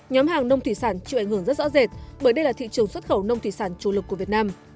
nhóm hàng nông thủy sản chịu ảnh hưởng rất rõ rệt bởi đây là thị trường xuất khẩu nông thủy sản chủ lực của việt nam